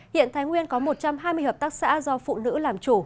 hiện thái nguyên có một trăm hai mươi hợp tác xã do phụ nữ làm chủ